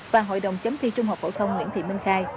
và hội đồng chấm thi trung học phổ thông nguyễn thị minh khai